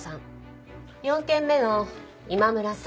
４件目の今村さん